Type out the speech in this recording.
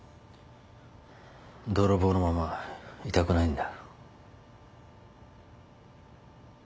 泥棒のままいたくないんだ。